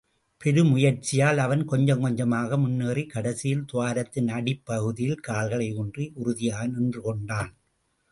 பெருமுயற்சியால் அவன் கொஞ்சம் கொஞ்சமாக முன்னேறிக் கடைசியில் துவாரத்தின் அடிப்பகுதியிலே கால்களை ஊன்றி உறுதியாக நின்றுகொண்டான்.